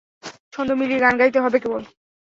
ছন্দ মিলিয়ে গান গাইতে হবে কেবল।